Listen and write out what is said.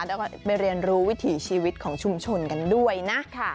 แล้วก็ไปเรียนรู้วิถีชีวิตของชุมชนกันด้วยนะ